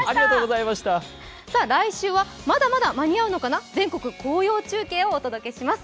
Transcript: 来週は、まだまだ間に合うのかな、全国紅葉中継をお届けします。